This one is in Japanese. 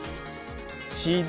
ＣＤ